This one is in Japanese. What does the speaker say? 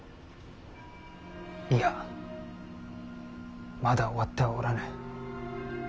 いやまだ終わってはおらぬ。